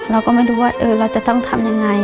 เราก็ไม่รู้ว่าเราจะต้องทำยังไง